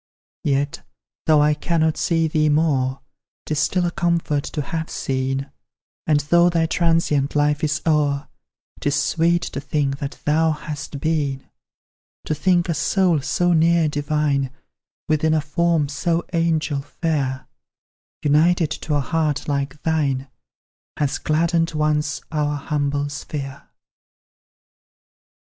Yet, though I cannot see thee more, 'Tis still a comfort to have seen; And though thy transient life is o'er, 'Tis sweet to think that thou hast been; To think a soul so near divine, Within a form so angel fair, United to a heart like thine, Has gladdened once our humble sphere.